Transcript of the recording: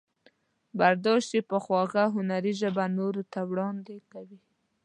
برداشت یې په خوږه هنري ژبه نورو ته وړاندې کوي.